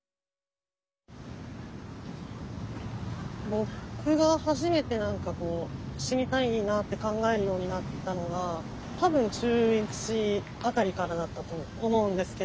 僕が初めて何か死にたいなって考えるようになったのが多分中１辺りからだったと思うんですけど。